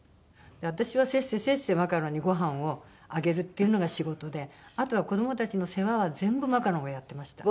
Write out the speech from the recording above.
私はせっせせっせマカロンにごはんをあげるっていうのが仕事であとは子どもたちの世話は全部マカロンがやってました。